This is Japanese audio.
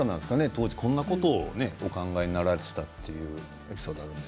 当時こんなことをお考えになられていたということです。